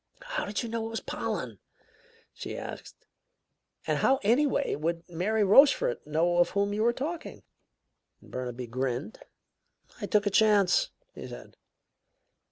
"How did you know it was this Pollen?" she asked, "and how, anyway, would Mary Rochefort know of whom you were talking?" Burnaby grinned. "I took a chance," he said.